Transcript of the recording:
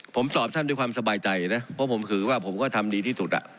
ผมตอบท่านด้วยความสบายใจนะเพราะผมถือว่าผมก็ทำดีที่สุด